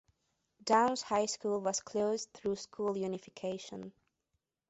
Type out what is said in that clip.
Downs High School was closed through school unification.